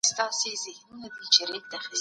ستاسو د لارښوونو مطابق کار روان دئ.